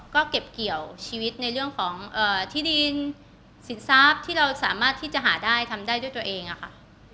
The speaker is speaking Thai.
ก็เก็บเกี่ยวชีวิตในเรื่องของที่ดินสินทรัพย์ที่เราสามารถที่จะหาได้ทำได้ด้วยตัวเองอะค่ะ